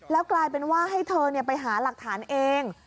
แล้วกลายเป็นว่าให้เธอไปหาหลักฐานเอง